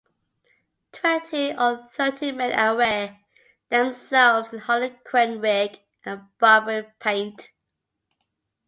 Twenty or thirty men array themselves in harlequin rig and barbaric paint.